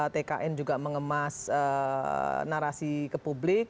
tkn juga mengemas narasi ke publik